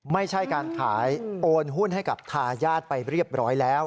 ไม่ใช่การขายโอนหุ้นให้กับทายาทไปเรียบร้อยแล้ว